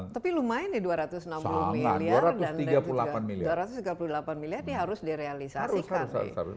tapi lumayan nih dua ratus enam puluh miliar dan dua ratus tiga puluh delapan miliar ini harus direalisasikan